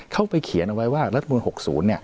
เขาไปเขียนไว้ว่ารัฐมนุน๖๐